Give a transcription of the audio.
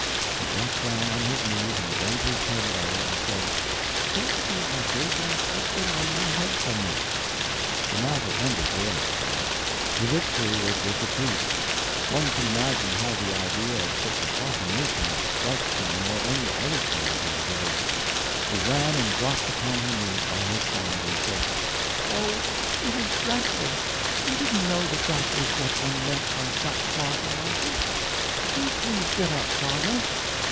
He got down on his knees and bent his head low, and said: "Take the ashes and put them on my head for me." The matter ended there, of course. The victory was with the priest. One can imagine how the idea of such a profanation would strike Joan or any other child in the village. She ran and dropped upon her knees by his side and said: "Oh, it is dreadful. I didn't know that that was what one meant by sackcloth and ashes—do please get up, father."